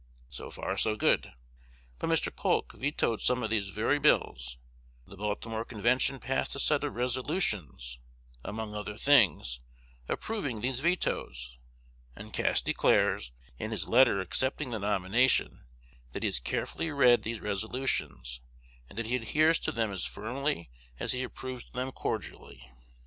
So far, so good. But Mr. Polk vetoed some of these very bills; the Baltimore Convention passed a set of resolutions, among other things, approving these vetoes; and Cass declares, in his letter accepting the nomination, that he has carefully read these resolutions, and that he adheres to them as firmly as he approves them cordially.